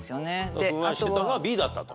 ふんわりしてたのはＢだったと？